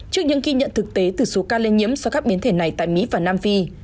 trước những ghi nhận thực tế từ số ca lây nhiễm do các biến thể này tại mỹ và nam phi